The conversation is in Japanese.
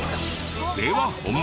では本番。